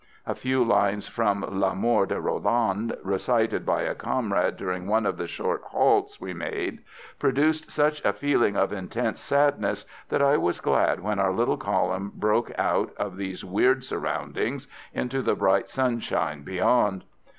A few lines from La Mort de Rolland, recited by a comrade during one of the short halts we made, produced such a feeling of intense sadness that I was glad when our little column broke out of these weird surroundings into the bright sunshine beyond.